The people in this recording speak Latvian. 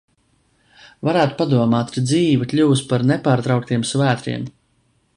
Varētu padomāt, ka dzīve kļuvusi par nepārtrauktiem svētkiem